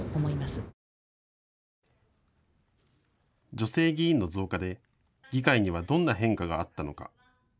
女性議員の増加で議会にはどんな変化があったのか。